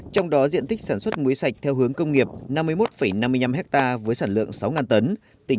trong đó diện tích sản xuất muối sạch theo hướng công nghiệp năm mươi một năm mươi năm hectare với sản lượng sáu tấn